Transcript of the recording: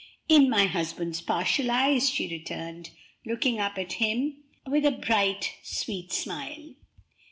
"In my husband's partial eyes," she returned, looking up at him with a bright, sweet smile.